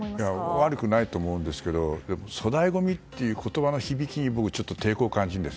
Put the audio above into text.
悪くないと思うんですけど粗大ごみという言葉の響きに僕はちょっと抵抗を感じるんです。